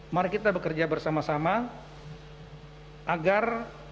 mari kita bekerja bersama sama agar